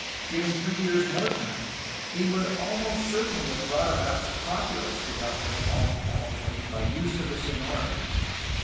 Given three years more time he would almost certainly have brought about a populous development of Alta California by use of the Sonora route.